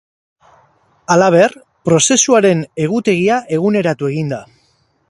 Halaber, prozesuaren egutegia eguneratu egin da.